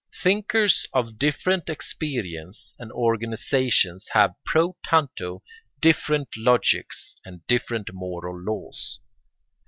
] Thinkers of different experience and organisation have pro tanto different logics and different moral laws.